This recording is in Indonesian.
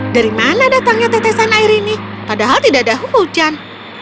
dari mana datangnya tetesan air ini padahal tidak ada hujan